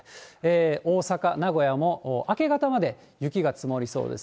大阪、名古屋も明け方まで雪が積もりそうです。